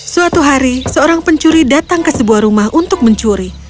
suatu hari seorang pencuri datang ke sebuah rumah untuk mencuri